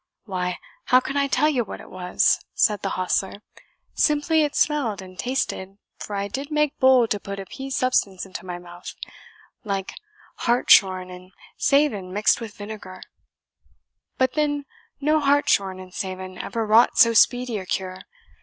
"Why, how can I tell you what it was?" said the hostler; "simply it smelled and tasted for I did make bold to put a pea's substance into my mouth like hartshorn and savin mixed with vinegar; but then no hartshorn and savin ever wrought so speedy a cure.